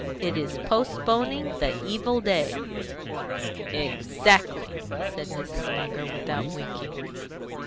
"It is postponing the evil day." "Exactly," said Mrs. Munger, without winking.